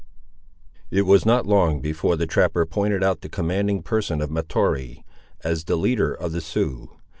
It was not long before the trapper pointed out the commanding person of Mahtoree, as the leader of the Siouxes.